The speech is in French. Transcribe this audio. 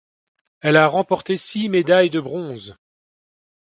Elle a remporté six médailles de bronze.